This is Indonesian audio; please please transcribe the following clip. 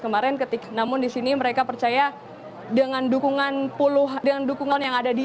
kemarin ketika namun disini mereka percaya dengan dukungan puluhan dengan dukungan yang ada di